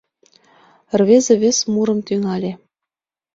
Рвезе вес мурым тӱҥале: